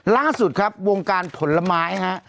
ล่าสุดครับวงการผลไม้ฮะ